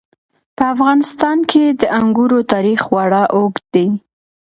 په افغانستان کې د انګورو تاریخ خورا اوږد دی.